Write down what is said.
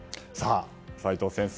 齋藤先生